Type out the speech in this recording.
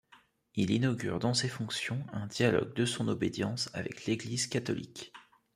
Il inaugure dans ces fonctions un dialogue de son obédience avec l’Église catholique.